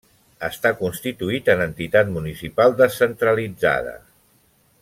Està constituït en entitat municipal descentralitzada.